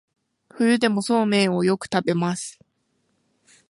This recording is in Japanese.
冬でもそうめんをよく食べます